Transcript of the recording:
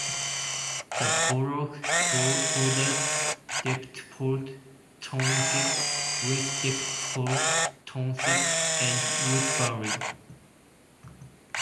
The borough borders Deptford Township, West Deptford Township, and Woodbury.